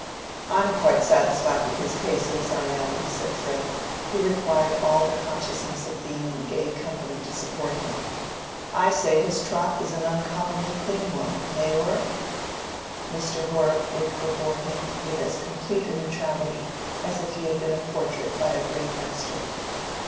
"I'm quite satisfied with his paces, I know," said Fred, who required all the consciousness of being in gay company to support him; "I say his trot is an uncommonly clean one, eh, Horrock?" Mr. Horrock looked before him with as complete a neutrality as if he had been a portrait by a great master.